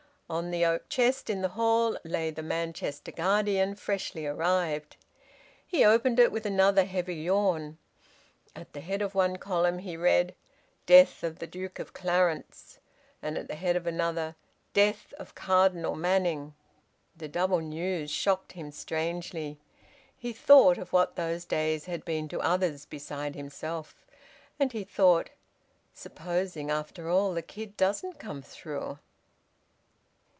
On the oak chest in the hall lay the "Manchester Guardian," freshly arrived. He opened it with another heavy yawn. At the head of one column he read, "Death of the Duke of Clarence," and at the head of another, "Death of Cardinal Manning." The double news shocked him strangely. He thought of what those days had been to others beside himself. And he thought: "Supposing after all the kid doesn't come through?"